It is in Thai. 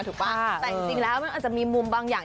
ป่ะแต่จริงแล้วมันอาจจะมีมุมบางอย่าง